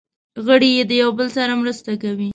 غړي یې د یو بل سره مرسته کوي.